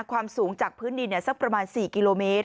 ความสูงจากพื้นดินสักประมาณ๔กิโลเมตร